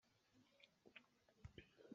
Ka cil ka chaak.